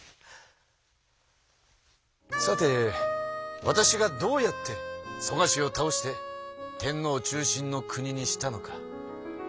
さてわたしがどうやって蘇我氏を倒して天皇中心の国にしたのか。